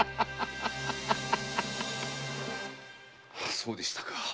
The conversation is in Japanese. そうでしたか。